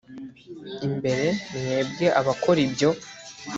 imbere mwebwe abakora ibyo